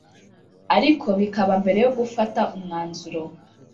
Ariko bikaba mbere yo gufata umwanzuro